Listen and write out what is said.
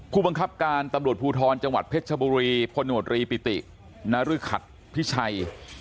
ผู้บังคับการตำรวจภูทรจังหวัดเพชรชบุรีพลโนตรีปิตินรึขัดพิชัย